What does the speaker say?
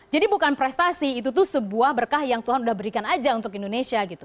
jadi bukan prestasi itu tuh sebuah berkah yang tuhan sudah berikan saja untuk indonesia gitu